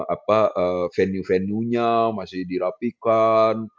apa venue venuenya masih dirapikan